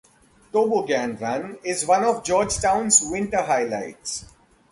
"Toboggan Run" is one of Georgetown's winter highlights.